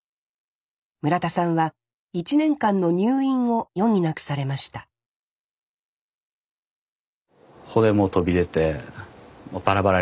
村田さんは１年間の入院を余儀なくされました骨も飛び出てもうバラバラになった状態。